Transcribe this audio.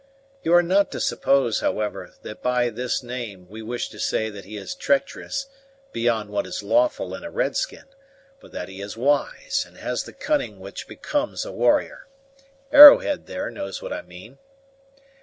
You are not to suppose, however, that by this name we wish to say that he is treacherous, beyond what is lawful in a red skin; but that he is wise, and has the cunning which becomes a warrior. Arrowhead, there, knows what I mean."